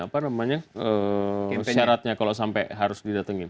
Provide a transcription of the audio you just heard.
apa namanya syaratnya kalau sampai harus didatengin